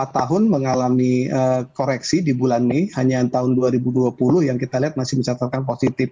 lima tahun mengalami koreksi di bulan mei hanya tahun dua ribu dua puluh yang kita lihat masih mencatatkan positif